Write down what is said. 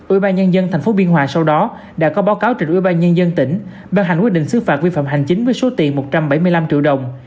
ủy ban nhân dân tp biên hòa sau đó đã có báo cáo trình ủy ban nhân dân tỉnh ban hành quyết định xứ phạt vi phạm hành chính với số tiền một trăm bảy mươi năm triệu đồng